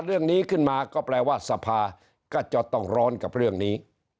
เรื่องนี้ขึ้นมาก็แปลว่าสภาก็จะต้องร้อนกับเรื่องนี้